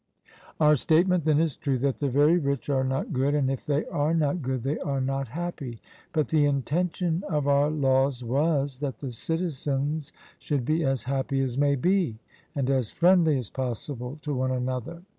Our statement, then, is true, that the very rich are not good, and, if they are not good, they are not happy. But the intention of our laws was, that the citizens should be as happy as may be, and as friendly as possible to one another.